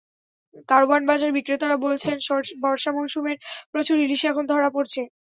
কারওয়ান বাজারের বিক্রেতারা বলছেন, বর্ষা মৌসুমের প্রচুর ইলিশ এখন ধরা পড়ছে।